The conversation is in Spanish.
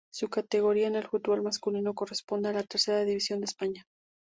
Su categoría en el fútbol masculino corresponde a la Tercera División de España.